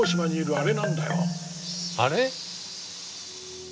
あれ？